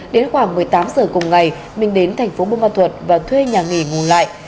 đến khoảng một mươi tám giờ cùng ngày minh đến thành phố bô ma thuật và thuê nhà nghỉ ngủ lại